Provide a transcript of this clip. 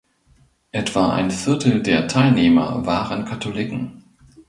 Etwa ein Viertel der Teilnehmer waren Katholiken.